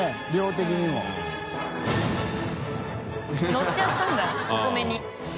のっちゃったんだお米に。